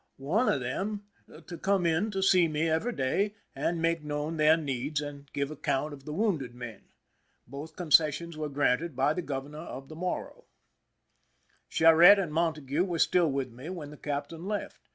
Co c: 0) THE SINKING OF THE "MERRIMAC' to come in to see me every day to make known their needs and give account of the wounded men. Both concessions were granted by the governor of the Morro. Charette and Montague were still with me when the captain left.